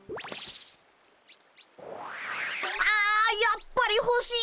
あやっぱりほしい！